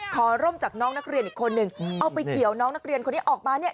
ขอร่มจากน้องนักเรียนอีกคนนึงเอาไปเกี่ยวน้องนักเรียนคนนี้ออกมาเนี่ย